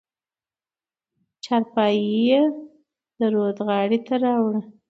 چارپايي يې د رود غاړې ته راوړه.